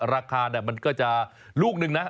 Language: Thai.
ราคามันก็จะลูกนึงนะ